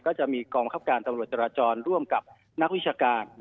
ก็จะมีกองบังคับการตำรวจจราจรร่วมกับนักวิชาการ